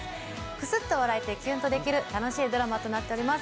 クスッと笑えてキュンとできるドラマとなっています。